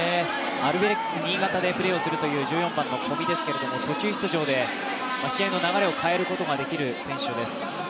アルビレックス新潟でプレーをするという小見ですけれども、途中出場で試合の流れを変えることができる選手です。